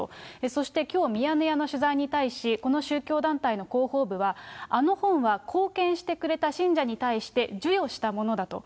そしてきょうミヤネ屋の取材に対し、この宗教団体の広報部は、あの本は貢献してくれた信者に対して、授与したものだと。